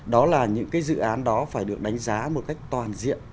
đó là những cái dự án đó phải được đánh giá một cách toàn diện